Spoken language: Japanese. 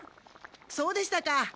そうでしたか。